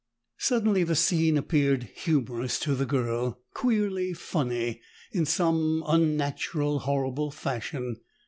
Suddenly the scene appeared humorous to the girl, queerly funny, in some unnatural horrible fashion.